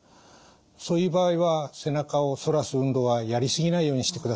そういう場合は背中を反らす運動はやり過ぎないようにしてください。